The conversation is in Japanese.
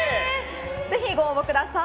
ぜひ、ご応募ください。